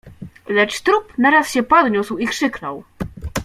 "Lecz trup naraz się podniósł i krzyknął."